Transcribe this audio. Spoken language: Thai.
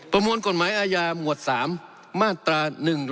ประมวลกฎหมายอาญาหมวด๓มาตรา๑๑